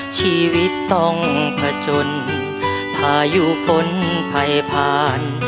ชีวิตต้องผจญพายุฝนไผ่ผ่าน